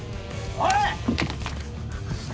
おい！